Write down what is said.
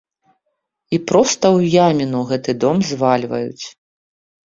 І проста ў яміну гэты дом звальваюць.